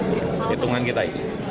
itu itungan kita